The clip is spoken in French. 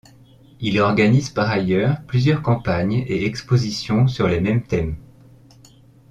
Il organise par ailleurs plusieurs campagnes et expositions sur les mêmes thèmes.